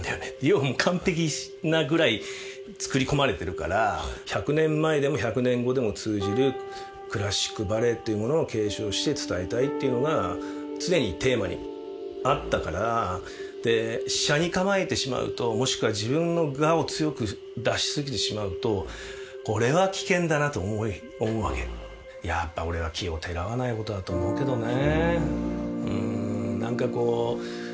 要はもう完璧なぐらいつくり込まれてるから１００年前でも１００年後でも通じるクラシックバレエっていうものを継承して伝えたいっていうのが常にテーマにあったからで斜に構えてしまうともしくは自分の我を強く出しすぎてしまうとこれは危険だなと思うわけやっぱ俺は奇をてらわないことだと思うけどね